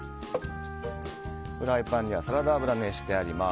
フライパンにはサラダ油が熱してあります。